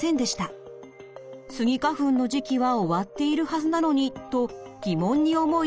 スギ花粉の時期は終わっているはずなのにと疑問に思い